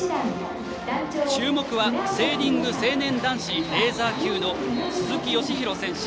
注目はセーリング成年男子レーザー級の鈴木義弘選手。